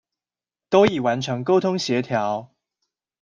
都已完成溝通協調